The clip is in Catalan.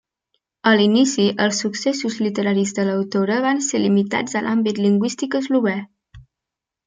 A l'inici, els successos literaris de l'autora van ser limitats a l'àmbit lingüístic eslovè.